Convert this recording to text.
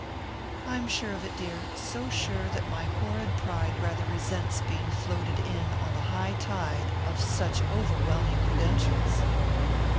"I'm sure of it, dear; so sure that my horrid pride rather resents being floated in on the high tide of such overwhelming credentials."